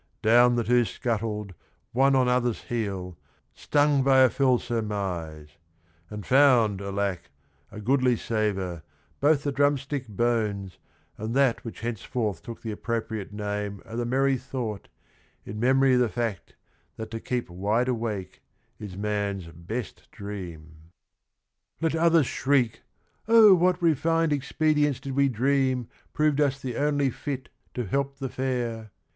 ' Down the two scuttled, one on other's heel, Stung by a fell surmise ; and found, alack, A goodly savour, both the drumstick bones, And that which henceforth took the appropriate name O' the Merry thought, in memory of the fact That to keep wide awake is man's best dream. 148 THE RING AND THE BOOK Let others shriek 'Oh what refined expedients did we dream Proved us the only fit to help the fair